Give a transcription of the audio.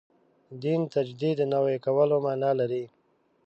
دین تجدید نوي کولو معنا لري.